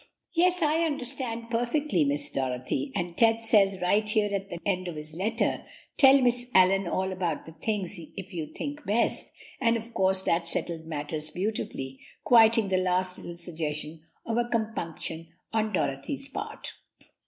"Yes, I understand perfectly, Miss Dorothy; and Ted says right here at the end of his letter: 'Tell Miss Allyn all about things if you think best.'" And of course that settled matters beautifully, quieting the last little suggestion of a compunction on Dorothy's part.